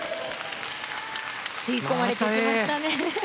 吸い込まれていきましたね。